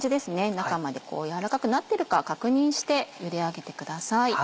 中まで軟らかくなってるか確認してゆで上げてください。